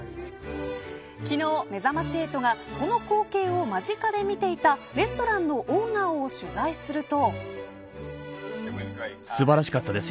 昨日、めざまし８がこの光景を間近で見ていたレストランのオーナーを取材すると。